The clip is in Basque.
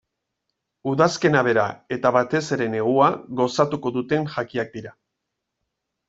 Udazkena bera eta batez ere negua gozatuko duten jakiak dira.